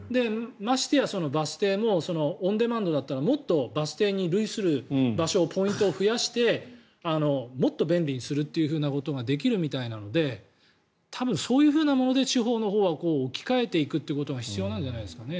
ましてやバス停もオンデマンドだったらもっとバス停に類する場所ポイントを増やしてもっと便利にすることができるみたいなので多分そういうもので地方のほうは置き換えていくことが必要なんじゃないですかね。